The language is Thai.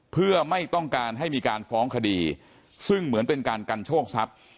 เพื่อไม่ต้องการให้มีการฟ้องคดีซึ่งเหมือนเป็นการกันโชคทรัพย์